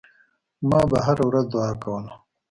ما به هره ورځ دعا کوله.